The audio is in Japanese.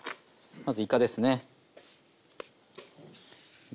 まずいかですね。